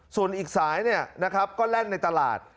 ส่วนอีกสายเนี่ยนะครับก็แล่นในตลาด